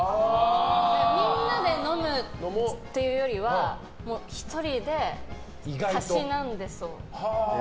みんなで飲むっていうよりは１人でたしなんでそう。